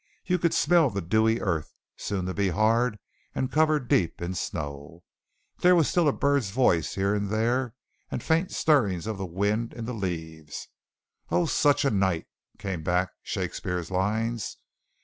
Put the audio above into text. You could smell the dewy earth, soon to be hard and covered deep in snow. There was still a bird's voice here and there and faint stirrings of the wind in the leaves. "On such a night," came back Shakespeare's lines.